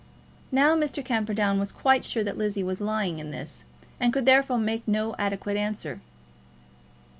Now, Mr. Camperdown was quite sure that Lizzie was lying in this, and could therefore make no adequate answer.